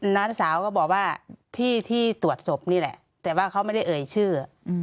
น้าสาวก็บอกว่าที่ที่ตรวจศพนี่แหละแต่ว่าเขาไม่ได้เอ่ยชื่อ